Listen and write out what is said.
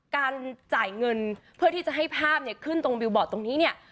การจ่ายเงินเพื่อที่จะให้ภาพเนี่ยขึ้นตรงบิวบอร์ดตรงนี้เนี่ย